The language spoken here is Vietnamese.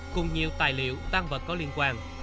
cùng nhiều tài liệu tăng vật có liên quan